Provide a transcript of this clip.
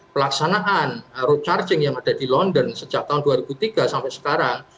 pelaksanaan road charging yang ada di london sejak tahun dua ribu tiga sampai sekarang